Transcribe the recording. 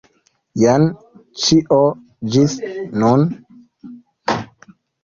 Jen ĉio, ĝis nun.